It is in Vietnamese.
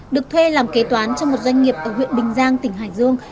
được thuê làm kế toán cho một doanh nghiệp ở huyện bình giang tỉnh hải dương